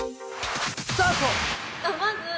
スタート！